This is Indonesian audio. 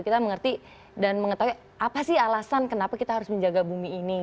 kita mengerti dan mengetahui apa sih alasan kenapa kita harus menjaga bumi ini